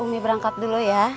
umi berangkat dulu ya